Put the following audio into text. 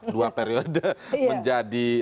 dua periode menjadi